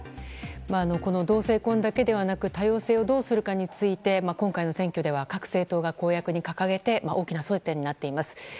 この同性婚だけではなく多様性をどうするかについて今回の選挙では各政党が公約に掲げて大きな争点になっています。